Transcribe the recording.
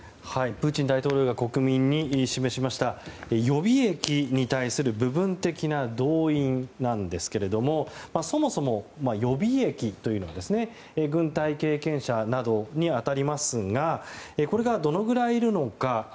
プーチン大統領が国民に示しました予備役に対する部分的な動員ですがそもそも、予備役というのは軍隊経験者などに当たりますがこれが、どのくらいいるのか。